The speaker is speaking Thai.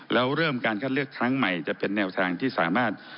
แล้วเริ่มการคัดเลือกครั้งใหม่จะเป็นแนวทางที่สามารถ